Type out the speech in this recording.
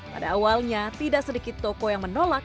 pada awalnya tidak sedikit toko yang menolak